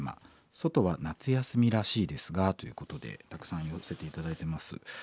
「ソトは夏休みらしいですが」ということでたくさん寄せて頂いてます。